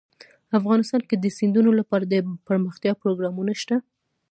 افغانستان کې د سیندونه لپاره دپرمختیا پروګرامونه شته.